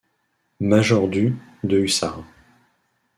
Major du de hussards.